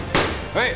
はい！